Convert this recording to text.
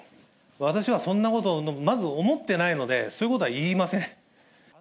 私はそんなこと、まず思ってないので、そういうことは言いません。